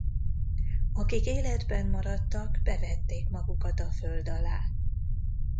Akik életben maradtak bevették magukat a föld alá.